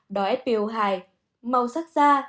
đo spu hai màu sắc da